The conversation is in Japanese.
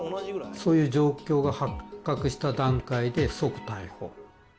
そういう状況が発覚した段階で即タイホ。